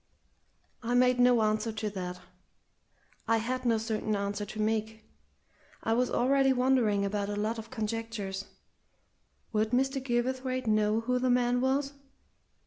I made no answer to that. I had no certain answer to make. I was already wondering about a lot of conjectures. Would Mr. Gilverthwaite know who the man was?